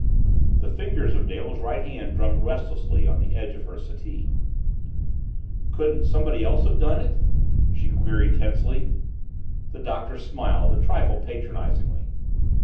The fingers of Dale's right hand drummed restlessly on the edge of her settee. "Couldn't somebody else have done it?" she queried tensely. The Doctor smiled, a trifle patronizingly.